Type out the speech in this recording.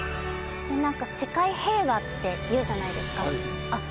世界平和っていうじゃないですかあっ